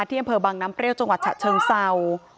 อำเภอบังน้ำเปรี้ยวจังหวัดฉะเชิงเศร้า